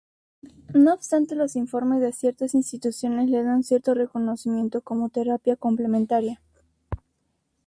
No obstante, los informes de ciertas instituciones le dan cierto reconocimiento como terapia complementaria.